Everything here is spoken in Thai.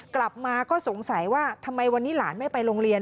กลับมาก็สงสัยว่าทำไมวันนี้หลานไม่ไปโรงเรียน